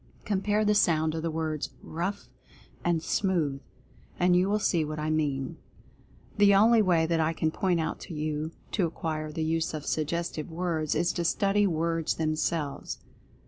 Compare the sound of the words "ROUGH" and "SMOOTH"— and you will see what I mean. The only way that I can point out to you to acquire the use of Suggestive Words is to study Words themselves.